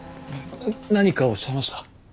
何かおっしゃいました？